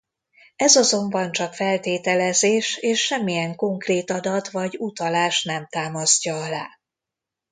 Ez azonban csak feltételezés és semmilyen konkrét adat vagy utalás nem támasztja alá.